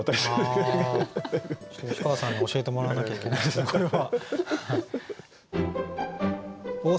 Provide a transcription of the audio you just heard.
吉川さんに教えてもらわなきゃいけないですねこれは。